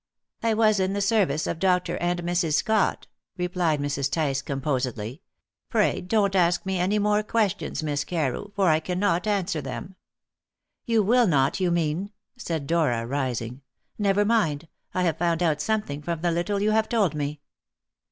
"I was in the service of Dr. and Mrs. Scott," replied Mrs. Tice composedly. "Pray don't ask me any more questions, Miss Carew, for I cannot answer them." "You will not, you mean," said Dora, rising. "Never mind, I have found out something from the little you have told me."